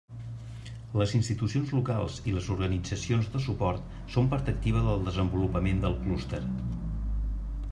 Les institucions locals i les organitzacions de suport són part activa del desenvolupament del clúster.